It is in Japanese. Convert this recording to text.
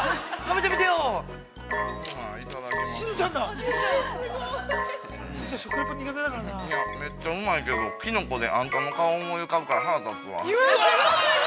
◆めっちゃうまいけど、きのこであんたの顔、思い浮かぶから、腹立つわ。